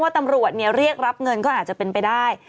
ตำรวจเรียกรับเงินก็อาจจะเป็นไปได้